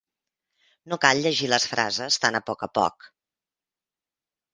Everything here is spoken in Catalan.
No cal llegir les frases tan a poc a poc.